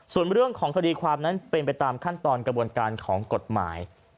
ส่วนเรื่องของคดีความนั้นเป็นไปตามขั้นตอนกระบวนการของกฎหมาย